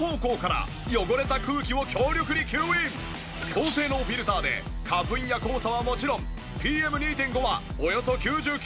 高性能フィルターで花粉や黄砂はもちろんＰＭ２．５はおよそ９９パーセントキャッチ。